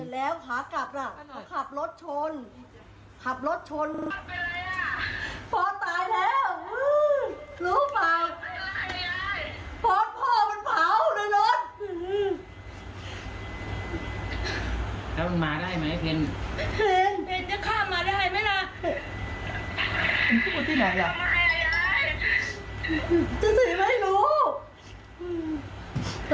ไม่รู้ตอนนี้พอสตายแล้วตายเมื่อคืนตีหนึ่ง